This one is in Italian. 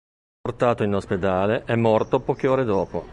Portato in ospedale è morto poche ore dopo.